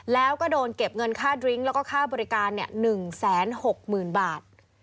แล้วก็โดนเก็บเงินค่าดริ้งค์แล้วก็ค่าบริการเนี่ย๑แสน๖หมื่นบาท